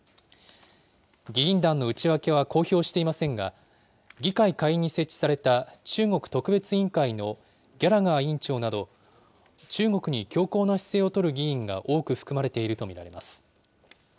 議員団の内訳は公表していませんが、議会下院に設置された中国特別委員会のギャラガー委員長など、中国に強硬な姿勢を取る議員が多く含まれていると見られます。